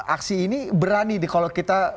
aksi ini berani nih kalau kita